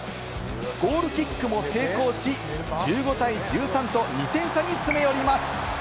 ゴールキックも成功し１５対１３と２点差に詰め寄ります。